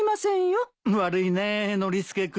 悪いねノリスケ君。